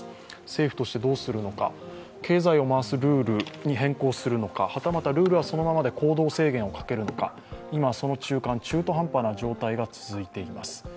政府としてどうするのか経済を回すルールに変更するのかはたまたルールはそのままで行動制限をかけるのか今その中間、中途半端な状態が続いています。